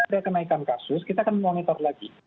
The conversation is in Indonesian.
ada kenaikan kasus kita akan monitor lagi